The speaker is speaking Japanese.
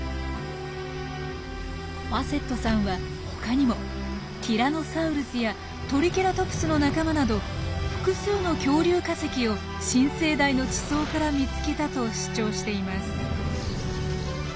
ファセットさんは他にもティラノサウルスやトリケラトプスの仲間など複数の恐竜化石を新生代の地層から見つけたと主張しています。